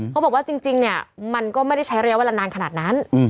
เขาบอกว่าจริงเนี่ยมันก็ไม่ได้ใช้ระยะเวลานานขนาดนั้น